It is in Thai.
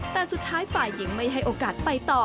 แต่สุดท้ายฝ่ายหญิงไม่ให้โอกาสไปต่อ